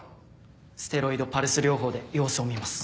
ステロイドパルス療法で様子を見ます。